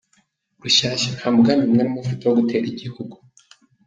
Rushyashya:Nta mugambi mwari mufite wo gutera igihugu ?